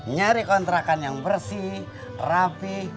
nyari kontrakan yang bersih rapi